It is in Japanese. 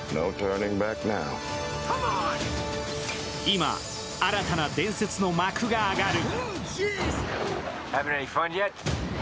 今、新たな伝説の幕が上がる。